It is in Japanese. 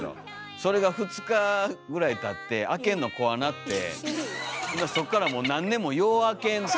それが２日ぐらいたって開けんの怖なってそっからもう何年もよう開けんと。